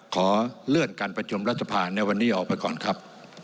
ขอเลื่อนการประชุมรัฐสภาในวันนี้ออกไปก่อนครับ